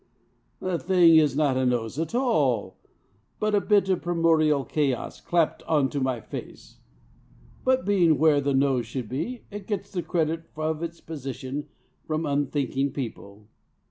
the thing is not a nose at all, but a bit of primordial chaos clapped on to my face. But, being where the nose should be, it gets the credit of its position from unthinking people.